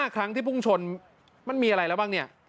๕ครั้งที่พุ่งชนมันมีอะไรแล้วบ้างเนี่ย